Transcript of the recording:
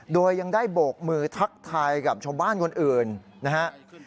โดยยังได้โบกมือทักทายกับชาวบ้านคนอื่นนะฮะ